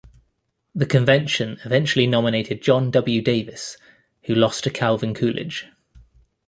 The Convention eventually nominated John W. Davis, who lost to Calvin Coolidge.